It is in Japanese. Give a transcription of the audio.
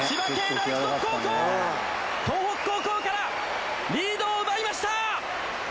大附属高校東北高校からリードを奪いました！